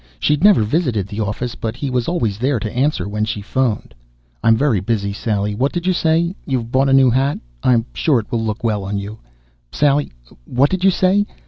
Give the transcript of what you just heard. She'd never visited the office but he was always there to answer when she phoned. "I'm very busy, Sally. What did you say? You've bought a new hat? I'm sure it will look well on you, Sally. What did you say?